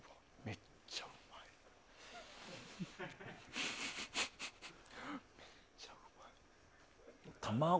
めっちゃうまい。